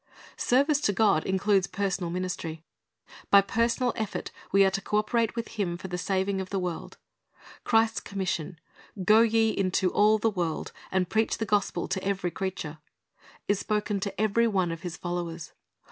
Service to God includes personal ministry. By personal effort we are to co operate with Him for the saving of the world. Christ's commission, "Go ye into all the world, and TJic Lord's Vineyard 301 preach the gospel to every creature,"' is spoken to every one of His followers.